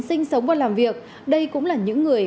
sinh sống và làm việc đây cũng là những người